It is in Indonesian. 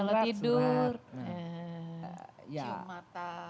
kalau tidur cium mata